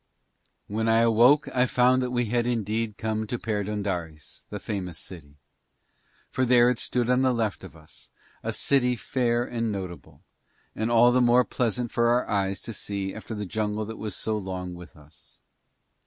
When I awoke I found that we had indeed come to Perdóndaris, that famous city. For there it stood upon the left of us, a city fair and notable, and all the more pleasant for our eyes to see after the jungle that was so long with us.